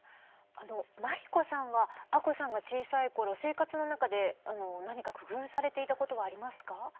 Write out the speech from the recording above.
真理子さんは亜子さんが小さい頃生活の中で何か工夫されていたことはありますか？